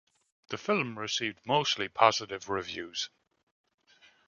The film received mostly positive reviews.